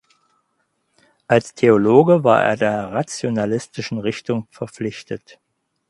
Als Theologe war er der rationalistischen Richtung verpflichtet.